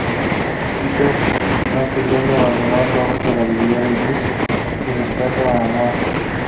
Peter, no queriendo abandonarlo, usa la habilidad de Jesse y rescata a Noah.